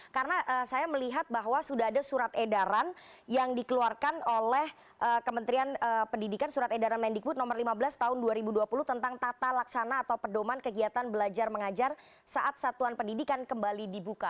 karena saya melihat bahwa sudah ada surat edaran yang dikeluarkan oleh kementerian pendidikan surat edaran mendingbud nomor lima belas tahun dua ribu dua puluh tentang tata laksana atau pedoman kegiatan belajar mengajar saat satuan pendidikan kembali dibuka